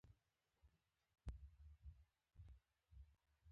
زرغون خان نورزى دېوان لرونکی شاعر دﺉ.